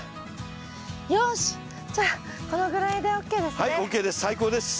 よしじゃあこのぐらいでＯＫですね？